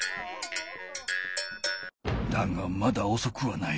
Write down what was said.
だがまだおそくはない。